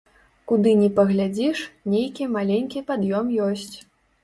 Куды ні паглядзіш, нейкі маленькі пад'ём ёсць.